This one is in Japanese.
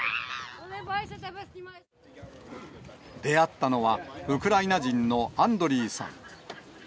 出会ったのは、ウクライナ人のアンドリーさん。